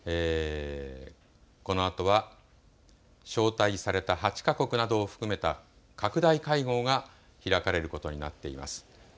このあとは、招待された８か国などを含めた拡大会合が開かれることになっています。